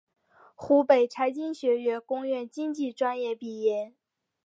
湖北财经学院工业经济专业毕业。